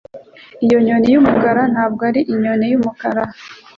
Iyo nyoni yumukara ntabwo ari inyoni yumukara.